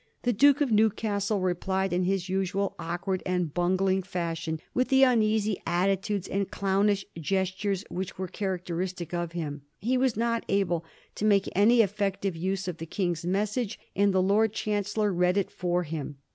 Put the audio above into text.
The Duke of Newcastle replied in his usual awkward and bungling fashion, with the uneasy at titudes and clownish gestures which were characteristic of him. He was not able to make any effective use of the King's message, and the Lord Chancellor read it for him.